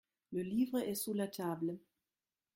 Le livre est sous la table.